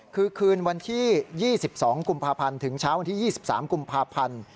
คือคืนวันที่๒๒กุมภาพันธ์ถึงเช้าวันที่๒๓กุมภาพันธ์